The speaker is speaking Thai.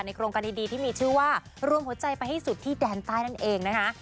โครงการดีที่มีชื่อว่ารวมหัวใจไปให้สุดที่แดนใต้นั่นเองนะคะ